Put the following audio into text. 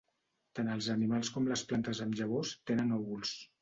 Tant els animals com les plantes amb llavors tenen òvuls.